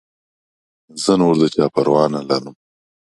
زه نور د چا پروا نه لرم.